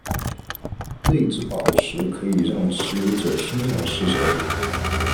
泪之宝石可以让持有者心想事成。